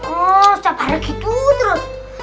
oh siapa yang gitu terus